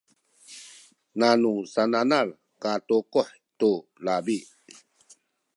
nanu sananal katukuh tu labi